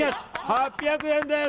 ８００円です！